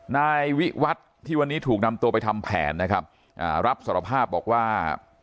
นายวิวัตรที่วันนี้ถูกนำตัวไปทำแผนนะครับอ่ารับสารภาพบอกว่า